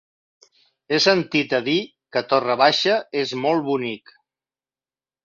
He sentit a dir que Torre Baixa és molt bonic.